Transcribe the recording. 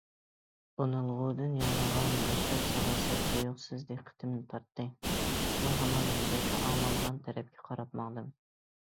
ئۈنئالغۇدىن ياڭرىغان مەشرەپ ساداسى تۇيۇقسىز دىققىتىمنى تارتتى، شۇ ھامان مۇزىكا ئاڭلانغان تەرەپكە قاراپ ماڭدىم.